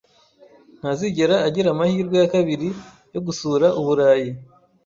Ntazigera agira amahirwe ya kabiri yo gusura Uburayi.